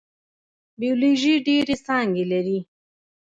بیولوژي ډیرې څانګې لري